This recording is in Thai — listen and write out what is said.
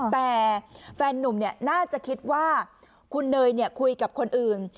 แต่แฟนนุ่มเนี่ยน่าจะคิดว่าคุณเนยเนี่ยคุยกับคนอื่น